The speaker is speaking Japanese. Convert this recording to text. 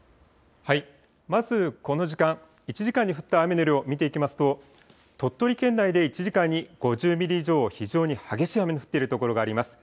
まずこの時間、１時間に降った雨の量、見ていきますと鳥取県内で１時間に５０ミリ以上、非常に激しい雨の降っている所があります。